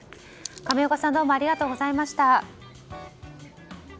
亀岡さんありがとうございました。